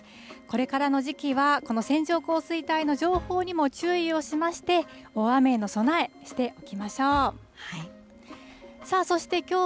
これからの時期は、この線状降水帯の情報にも注意をしまして、大雨への備え、しておきましょう。